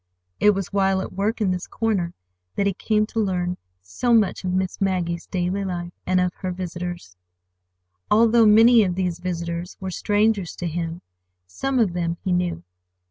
It was while at work in this corner that he came to learn so much of Miss Maggie's daily life, and of her visitors. Although many of these visitors were strangers to him, some of them he knew.